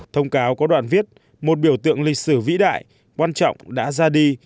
thông cáo có đoạn viết một biểu tượng lịch sử vĩ đại quan trọng đã ra đi